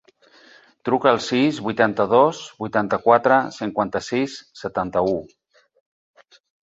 Truca al sis, vuitanta-dos, vuitanta-quatre, cinquanta-sis, setanta-u.